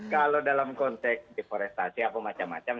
kalau dalam konteks deforestasi apa macam macam